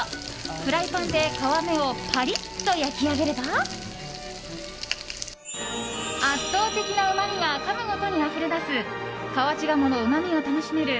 フライパンで皮目をパリッと焼き上げれば圧倒的なうまみがかむごとにあふれ出す河内鴨のうまみが楽しめる